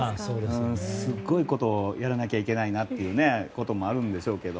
すごいことをやらなきゃいけないなってこともあるんでしょうけど。